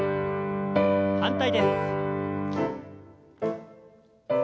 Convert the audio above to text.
反対です。